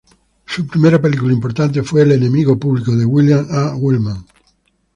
Su primera película importante fue "El enemigo público", de William A. Wellman.